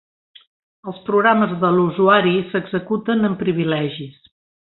Els programes de l'usuari s'executen amb privilegis